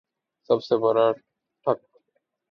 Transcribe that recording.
سب سے بڑا ٹھگ